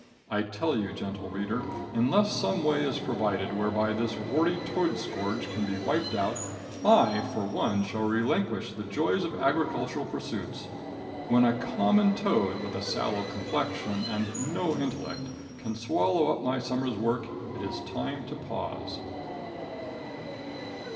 I tell you, gentle reader, unless some way is provided, whereby this warty toad scourge can be wiped out, I for one shall relinquish the joys of agricultural pursuits. When a common toad, with a sallow complexion and no intellect, can swallow up my summer's work, it is time to pause.